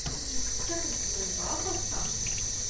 Yessefk ad tent-ssenzeɣ akk ass-a.